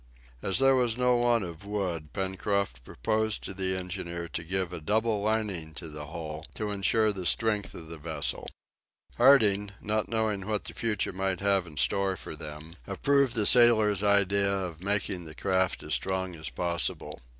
As there was no want of wood, Pencroft proposed to the engineer to give a double lining to the hull, to insure the strength of the vessel. Harding, not knowing what the future might have in store for them, approved the sailor's idea of making the craft as strong as possible.